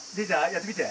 やってみて。